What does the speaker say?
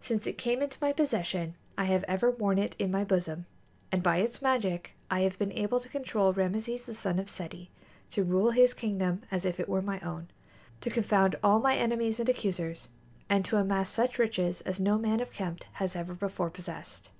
Since it came into my possession I have ever worn it in my bosom, and by its magic I have been able to control Rameses the son of Seti, to rule his kingdom as if it were my own, to confound all my enemies and accusers, and to amass such riches as no man of Qemt has ever before possessed.